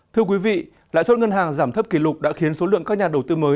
thưa quý vị lãi suất ngân hàng giảm thấp kỷ lục đã khiến số lượng các nhà đầu tư mới